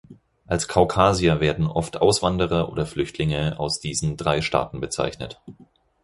Als Kaukasier werden oft Auswanderer oder Flüchtlinge aus diesen drei Staaten bezeichnet.